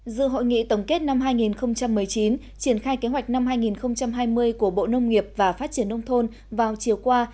dự hội nghị tổng kết năm hai nghìn một mươi chín triển khai kế hoạch năm hai nghìn hai mươi của bộ nông nghiệp và phát triển nông thôn vào chiều qua